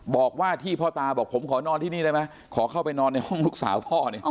บอกว่าที่พ่อตาบอกผมขอนอนที่นี่ได้ไหมขอเข้าไปนอนในห้องลูกสาวพ่อเนี่ย